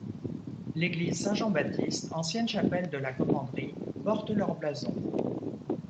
L'église Saint-Jean-Baptiste, ancienne chapelle de la commanderie, porte leur blason.